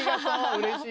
うれしい。